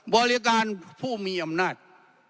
บริการผู้มีอำนาจ